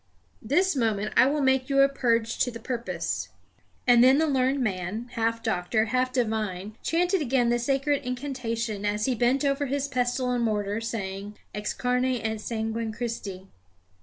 This moment I will make you a purge to the purpose." And then the learned man, half doctor, half divine, chanted again the sacred incantation as he bent over his pestle and mortar, saying: Ex carne et sanguine Christi!